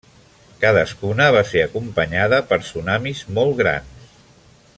Cadascuna va ser acompanyada per tsunamis molt grans.